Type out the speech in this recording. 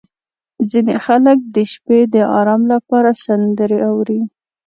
• ځینې خلک د شپې د ارام لپاره سندرې اوري.